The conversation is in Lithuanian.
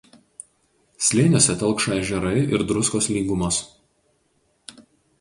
Slėniuose telkšo ežerai ir druskos lygumos.